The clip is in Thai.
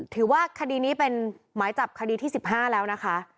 ถือว่าคดีนี้เป็นหมายจับคดีที่๑๕แล้วนะคะ